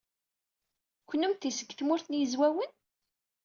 Kennemti seg Tmurt n Yizwawen?